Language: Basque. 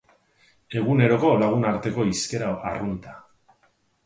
Eguneroko lagunarteko hizkera arrunta.